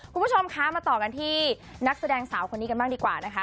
คุณผู้ชมคะมาต่อกันที่นักแสดงสาวคนนี้กันบ้างดีกว่านะคะ